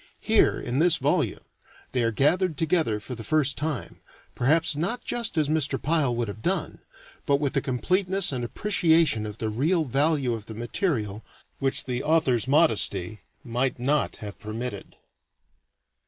Here, in this volume, they are gathered together for the first time, perhaps not just as Mr. Pyle would have done, but with a completeness and appreciation of the real value of the material which the author's modesty might not have permitted.